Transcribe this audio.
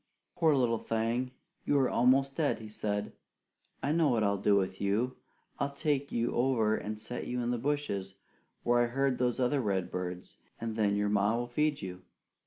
"Poor little thing, you are almost dead," he said. "I know what I'll do with you. I'll take you over and set you in the bushes where I heard those other redbirds, and then your ma will feed you."